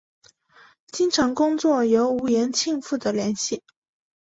经常工作由吴衍庆负责联系。